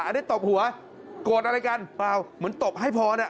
อันนี้ตบหัวโกรธอะไรกันเปล่าเหมือนตบให้พอเนี่ย